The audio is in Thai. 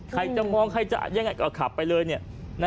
ใครจะมองใครจะยังไงก็ขับไปเลยเนี่ย